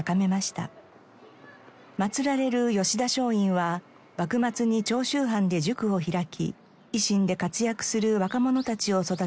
祭られる吉田松陰は幕末に長州藩で塾を開き維新で活躍する若者たちを育てました。